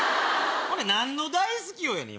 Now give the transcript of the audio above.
何の「大好きよ」やねん？